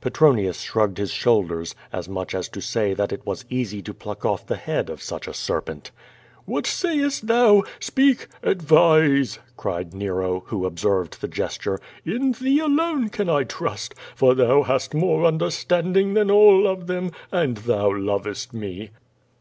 Petronius shrugged his shoulders, as much as to say that it was easy to pluck off the head of such a serpent. "What sayest thou? Speak! advise!" cried Nero, who ob served the gesture. "In thee alone I trust, for thou hast more understanding than all of them, and thou lovest me."